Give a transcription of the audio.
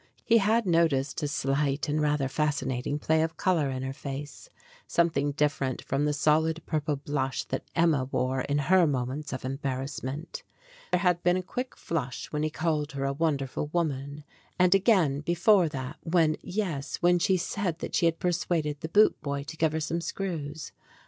He had noticed a slight and rather fascinating play of color in her face, some thing different from the solid purple blush that Emma wore in her moments of embarrassment. There had been a quick flush when he called her a wonderful woman, and again before that when yes, when she said that she had persuaded the boot boy to give her some screws.